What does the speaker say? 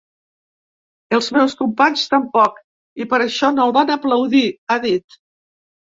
Els meus companys tampoc i per això no el van aplaudir, ha dit.